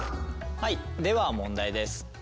はいでは問題です。